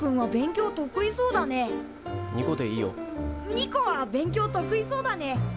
ニコは勉強得意そうだね。